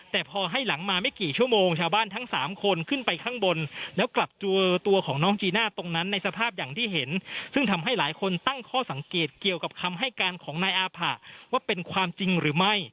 แต่พอให้หลังมาไม่กี่ชั่วโมงชาวบ้านทั้งสามคนขึ้นไปข้างบนแล้วกลับเจอตัวของน้องจีน่าตรงนั้นในสภาพอย่างที่เห็นซึ่งทำให้หลายคนตั้งข้อสังเกตเกี่ยวกับคำให้การของนายอาผะว่าเป็นความจริงหรือไม่